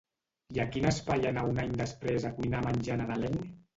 I a quin espai anà un any després a cuinar menjar nadalenc?